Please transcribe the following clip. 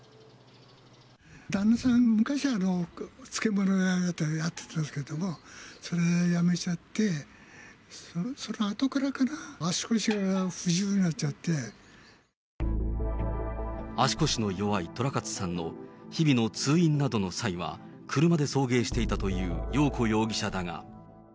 旦那さん、昔、漬物屋さんをやってたんですけども、それ辞めちゃって、そのあとからかな、足腰が不自由になっちゃっ足腰の弱い寅勝さんの日々の通院などの際は、車で送迎していたというよう子容疑者だが。